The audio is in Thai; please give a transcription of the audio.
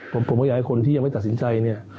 ผมก็อยากให้คนที่ยังไม่ตัดสินใจเนี่ย